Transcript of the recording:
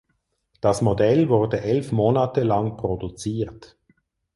Das Modell wurde elf Monate lang produziert.